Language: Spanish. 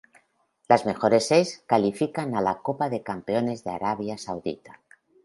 Los mejores seis califican a la Copa de Campeones de Arabia Saudita.